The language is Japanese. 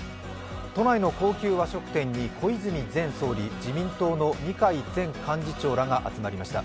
都内の高級和食店に小泉前総理、自民党の二階前幹事長らが集まりました。